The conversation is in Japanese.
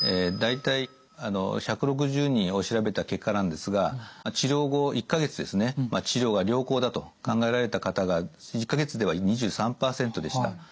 大体１６０人を調べた結果なんですが治療後１か月ですね治療が良好だと考えられた方が１か月では２３％でした。